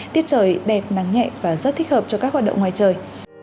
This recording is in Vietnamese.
tiết trời đẹp nắng nhẹ và rất thích hợp cho các hoạt động ngoài trời